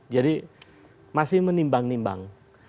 jadi masih menimbang nimbang